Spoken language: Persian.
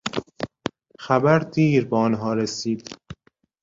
خبر دیر به آنها رسید.